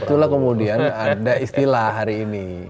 itulah kemudian ada istilah hari ini